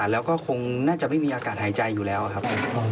แล้วก็คงน่าจะไม่มีอากาศหายใจอยู่แล้วครับ